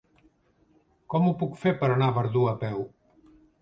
Com ho puc fer per anar a Verdú a peu?